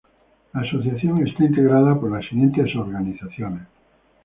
La asociación está integrada por las siguientes organizaciones.